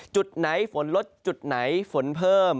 จุดไหนฝนลดจุดไหนฝนเพิ่ม